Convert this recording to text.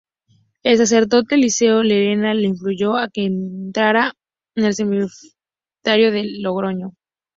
El sacerdote Eliseo Lerena le influyó a que entrara en el seminario de Logroño.